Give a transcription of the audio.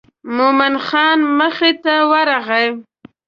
مومن خان مخې ته ورغی.